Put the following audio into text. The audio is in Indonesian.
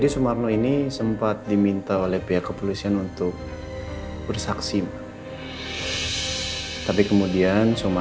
sumarno sempat menyebutkan satu kata kepada saya